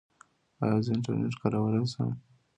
ایا زه انټرنیټ کارولی شم؟